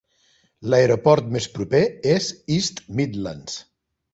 L'aeroport més proper és East Midlands.